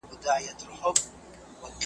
سوله د ټولنې پرمختګ زیاتوي.